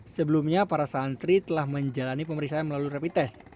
sebelumnya para santri telah menjalani pemeriksaan melalui rapid test